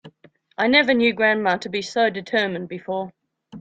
I never knew grandma to be so determined before.